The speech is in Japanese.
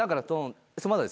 まだですよ。